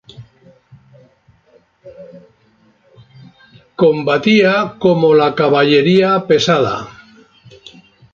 Combatía como la caballería pesada.